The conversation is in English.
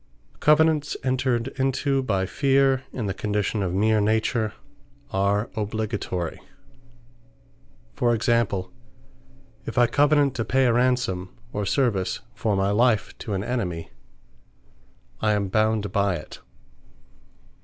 Covenants Extorted By Feare Are Valide Covenants entred into by fear, in the condition of meer Nature, are obligatory. For example, if I Covenant to pay a ransome, or service for my life, to an enemy; I am bound by it.